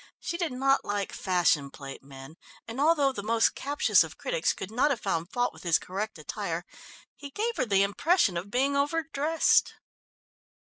She did not like fashion plate men, and although the most captious of critics could not have found fault with his correct attire, he gave her the impression of being over dressed.